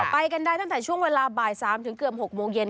ไปกันได้ตั้งแต่ช่วงเวลาบ่าย๓ถึงเกือบ๖โมงเย็น